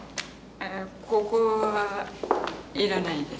ここは要らないです。